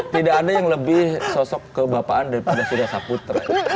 tidak ada yang lebih sosok kebapaan daripada surya saputra